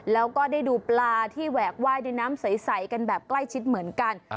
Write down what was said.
แล้วก็ได้ดูปลาที่แหวกไหว้ในน้ำใสกันแบบใกล้ชิดเหมือนกัน